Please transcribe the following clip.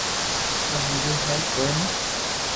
تمو ھمجو ھي ڪوئي ني